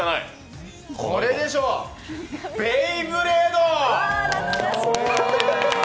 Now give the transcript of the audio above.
これでしょ、ベイブレード。